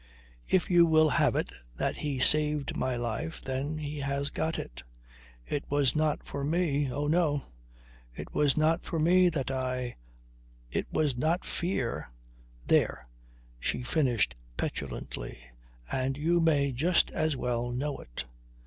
"If you will have it that he saved my life, then he has got it. It was not for me. Oh no! It was not for me that I It was not fear! There!" She finished petulantly: "And you may just as well know it."